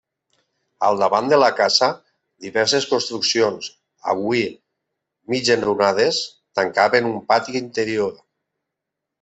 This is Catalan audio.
Al davant de la casa, diverses construccions, avui mig enrunades, tancaven un pati interior.